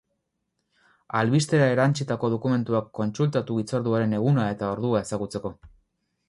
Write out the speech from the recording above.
Albistera erantsitako dokumentuak kontsultatu hitzorduaren eguna eta ordua ezagutzeko.